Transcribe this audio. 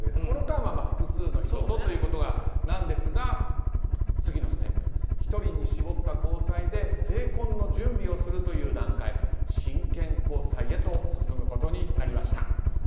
この間は複数の人とということなんですが次のステップ１人に絞った交際で成婚の準備をするという段階真剣交際へと進むことになりました。